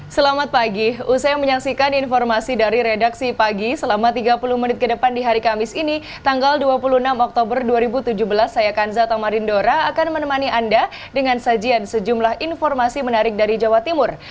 selamat pagi usai menyaksikan informasi dari redaksi pagi selama tiga puluh menit ke depan di hari kamis ini tanggal dua puluh enam oktober dua ribu tujuh belas saya kanza tamarindora akan menemani anda dengan sajian sejumlah informasi menarik dari jawa timur